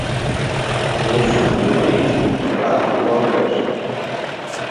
Kluss un mierīgs svētku vakars.